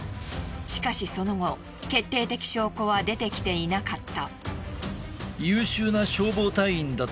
しかしその後決定的証拠は出てきていなかった。